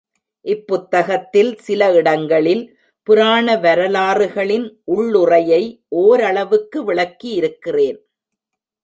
இப்புத்தகத்தில் சில இடங்களில் புராண வரலாறுகளின் உள்ளுறையை ஒரளவுக்கு விளக்கியிருக்கிறேன்.